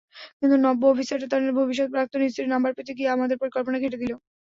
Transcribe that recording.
কিন্তু নব্য অফিসারটা তার ভবিষ্যৎ প্রাক্তন স্ত্রীর নাম্বার পেতে গিয়ে আমাদের পরিকল্পনা ঘেঁটে দিলো।